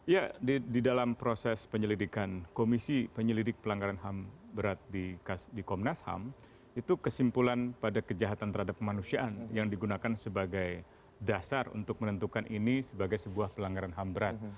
ya di dalam proses penyelidikan komisi penyelidik pelanggaran ham berat di komnas ham itu kesimpulan pada kejahatan terhadap kemanusiaan yang digunakan sebagai dasar untuk menentukan ini sebagai sebuah pelanggaran ham berat